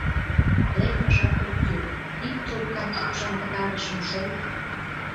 Лекмыжат ок кӱл, ик трубкам шупшын пытарышым шол...